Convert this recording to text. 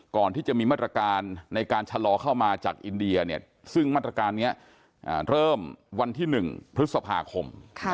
ก่อนที่จะมีมาตรการในการชะลอเข้ามาจากอินเดียเนี่ยซึ่งมาตรการนี้เริ่มวันที่๑พฤษภาคม